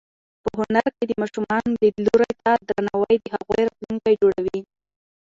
په هنر کې د ماشومانو لیدلوري ته درناوی د هغوی راتلونکی جوړوي.